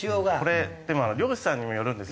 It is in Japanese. これでも漁師さんにもよるんですよ。